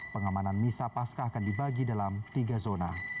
pengamanan misa pasca akan dibagi dalam tiga zona